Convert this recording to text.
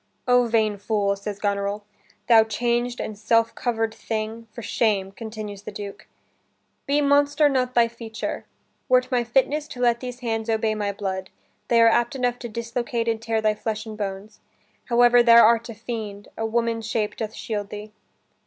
"O vain fool," says Goneril. "Thou changed and self cover'd thing, for shame," continues the Duke: "Be monster not thy feature. Were't my fitness To let these hands obey my blood, They are apt enough to dislocate and tear Thy flesh and bones; howe'er thou art a fiend, A woman's shape doth shield thee."